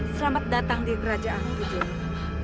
selamat datang di kerajaanku jemim